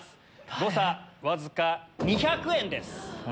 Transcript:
誤差わずか２００円です。